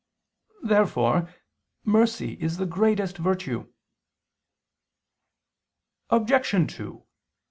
Therefore mercy is the greatest virtue. Obj.